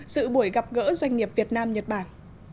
sự buổi gặp gỡ doanh nghiệp việt nam nhật bản